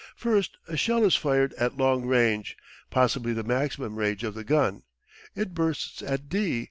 First a shell is fired at "long" range, possibly the maximum range of the gun. It bursts at D.